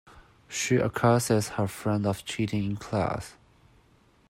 She accuses her friend of cheating in class.